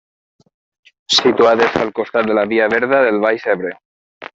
Situades al costat de la Via Verda del Baix Ebre.